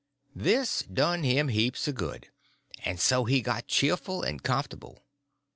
This done him heaps of good, and so he got cheerful and comfortable.